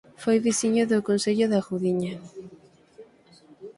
Foi veciño do Concello da Gudiña